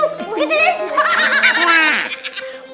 buat arti kita berhasil bos